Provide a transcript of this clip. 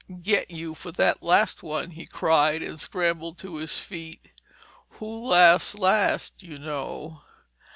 "Get you for that last one!" he cried, and scrambled to his feet. "'Who laughs last,' you know!"